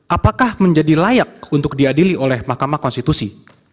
apakah menjadi layak untuk diadili oleh mahkamah konstitusi